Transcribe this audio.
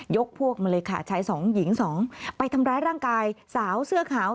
พวกมาเลยค่ะชายสองหญิงสองไปทำร้ายร่างกายสาวเสื้อขาว